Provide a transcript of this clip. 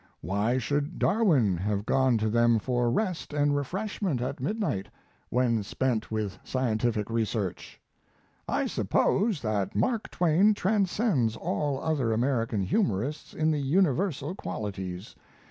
Why should Darwin have gone to them for rest and refreshment at midnight, when spent with scientific research? I suppose that Mark Twain transcends all other American humorists in the universal qualities.